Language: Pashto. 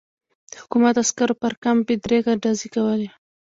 د حکومت عسکرو پر کمپ بې دریغه ډزې کولې.